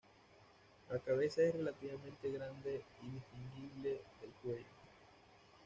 La cabeza es relativamente grande y distinguible del cuello.